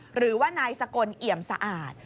หรือว่านายสกลเอี่ยมสะอาด